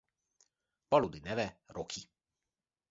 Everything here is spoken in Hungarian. Valódi neve Rocky.